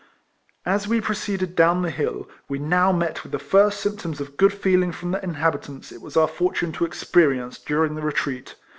As we proceeded down the hill we now met with the first symptoms of good feeling from the inhabitants, it was our fortune to experience during our retreat.